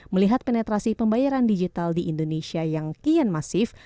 melihat penetrasi pembayaran digital di indonesia yang kian masif